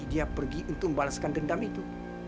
dia pergi untuk membalaskan dendam itu